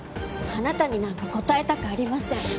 あなたになんか答えたくありません。